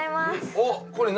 おっこれ何？